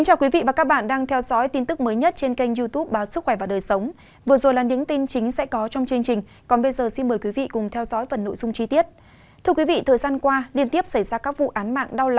các bạn hãy đăng kí cho kênh lalaschool để không bỏ lỡ những video hấp dẫn